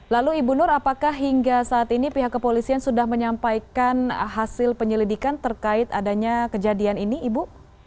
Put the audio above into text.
lalu ibu nur apakah hingga saat ini pihak kepolisian sudah menyampaikan hasil penyelidikan terkait adanya kejadian ini ibu